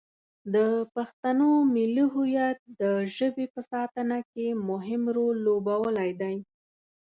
د پښتنو ملي هویت د ژبې په ساتنه کې مهم رول لوبولی دی.